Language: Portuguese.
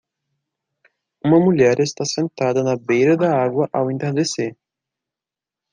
Uma mulher está sentada na beira da água ao entardecer.